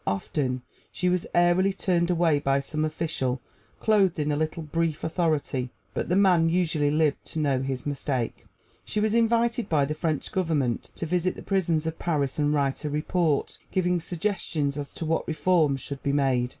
Often she was airily turned away by some official clothed in a little brief authority, but the man usually lived to know his mistake. She was invited by the French Government to visit the prisons of Paris and write a report, giving suggestions as to what reforms should be made.